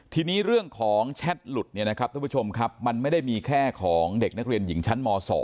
ทีนี้เรื่องของแชทหลุดเนี่ยนะครับท่านผู้ชมครับมันไม่ได้มีแค่ของเด็กนักเรียนหญิงชั้นม๒